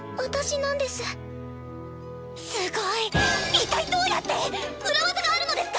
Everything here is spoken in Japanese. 一体どうやって⁉裏技があるのですか？